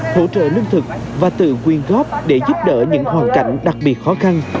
hỗ trợ lương thực và tự quyên góp để giúp đỡ những hoàn cảnh đặc biệt khó khăn